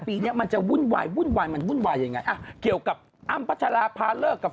ส่องการให้พูดเรื่องแอปหรือเรื่องอำ